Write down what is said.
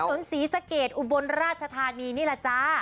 ถนนศรีสะเกจอุบลราชธานีนี่ล่ะจ๊ะ